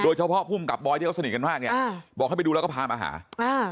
เฉพาะภูมิกับบอยที่เขาสนิทกันมากเนี้ยอ่าบอกให้ไปดูแล้วก็พามาหาอ่า